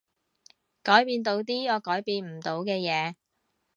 改變到啲我改變唔到嘅嘢